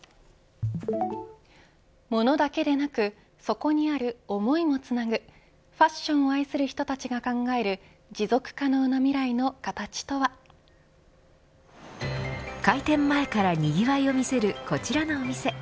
物だけでなくそこにある思いもつなぐファッションを愛する人たちが考える開店前からにぎわいを見せるこちらのお店。